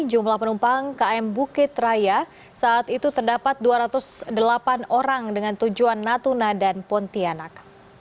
jumlah penumpang km bukit raya saat itu terdapat dua ratus delapan orang dengan tujuan natuna dan pontianak